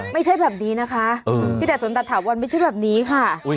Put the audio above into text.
ไม่ใช่แบบนี้นะคะพี่ดาสนตัดถาวรไม่ใช่แบบนี้ค่ะ